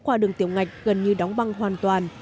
qua đường tiểu ngạch gần như đóng băng hoàn toàn